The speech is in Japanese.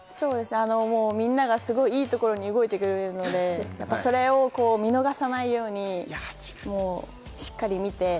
みんながすごいいいところに動いてくれるので、それを見逃さないように、しっかり見て。